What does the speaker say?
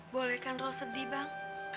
boleh kan rao sedih bang